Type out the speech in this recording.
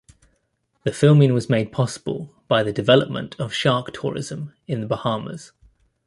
The filming was made possible by the development of shark tourism in the Bahamas.